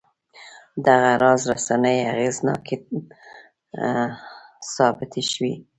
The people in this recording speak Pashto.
دغه راز رسنۍ اغېزناکې ثابتې شوې.